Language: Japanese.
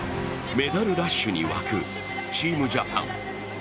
メダルラッシュに沸くチームジャパン。